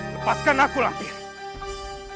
lepaskan aku lampir